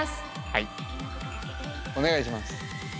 はいお願いします。